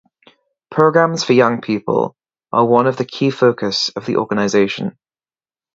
Programmes for young people are one of the key focus of the organisation.